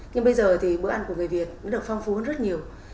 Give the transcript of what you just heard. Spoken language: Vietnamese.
nhưng bây giờ thì bữa ăn của người việt nó được phong phú hơn rất nhiều